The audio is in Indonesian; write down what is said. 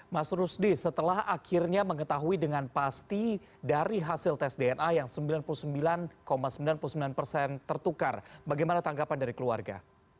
mas rusdi setelah akhirnya mengetahui dengan pasti dari hasil tes dna yang sembilan puluh sembilan sembilan puluh sembilan persen tertukar bagaimana tanggapan dari keluarga